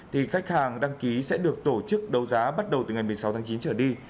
thì khách hàng đăng ký sẽ được tổ chức đấu giá bắt đầu từ ngày một mươi sáu tháng chín trở đi